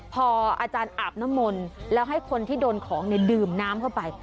พออาจารย์อาบน้ำมนต์แล้วให้คนที่โดนของดื่มน้ำเข้าไป